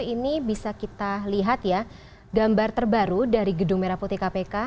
ini bisa kita lihat ya gambar terbaru dari gedung merah putih kpk